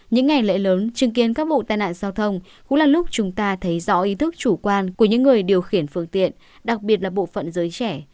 những ngày lễ lớn chứng kiến các vụ tai nạn giao thông cũng là lúc chúng ta thấy rõ ý thức chủ quan của những người điều khiển phương tiện đặc biệt là bộ phận giới trẻ